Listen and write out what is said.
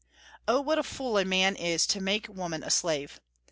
Oh, what a fool a man is to make woman a slave!